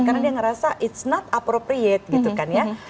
karena dia merasa it's not appropriate gitu kan ya